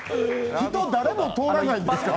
人誰も通らないですから。